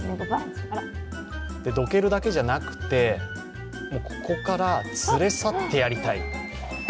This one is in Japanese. どけるだけじゃなくてここから連れ去ってやりたい。